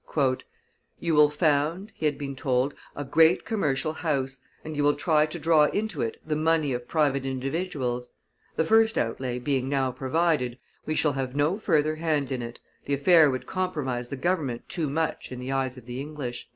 "You will found," he had been told, "a great commercial house, and you will try to draw into it the money of private individuals; the first outlay being now provided, we shall have no further hand in it, the affair would compromise the government too much in the eyes of the English."